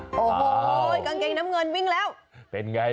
โอ้โฮกางเกงน้ำเงินวิ่งแล้ว